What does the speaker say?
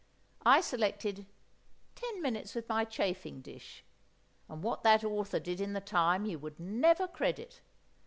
I selected "Ten Minutes with my Chafing Dish," and what that author did in the time you would never credit!